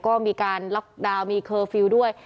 ก็มีการล็อกดาวน์มีเคอร์ฟิลล์ด้วย